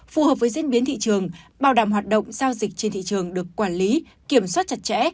phù hợp với diễn biến thị trường bảo đảm hoạt động giao dịch trên thị trường được quản lý kiểm soát chặt chẽ